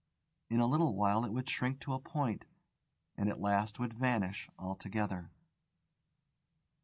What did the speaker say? In a little while it would shrink to a point, and at last would vanish altogether.